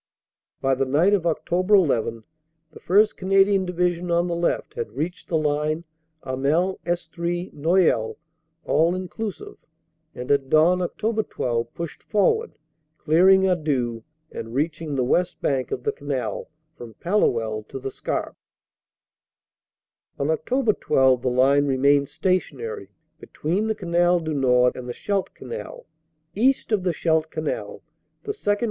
"By the night of Oct. 1 1 the 1st Canadian Division, on the left, had reached the line Hamel Estrees Noyelles (all inclu sive), and at dawn, Oct. 12, pushed forward, clearing Arleux and reaching the west bank of the Canal from Palluel to the Scarpe. "On Oct. 12 the line remained stationary between the Canal du Nord and the Scheldt Canal. East of the Scheldt Canal the 2nd.